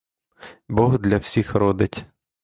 Бог для всіх родить.